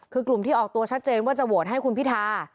คือกลุ่มที่ออกตัวชัดเจนว่าจะโหวตให้คุณพิธา